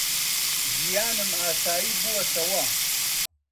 ژیانم ئاسایی بووەتەوە.